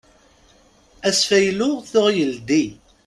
Asfaylu tuɣ yeldi.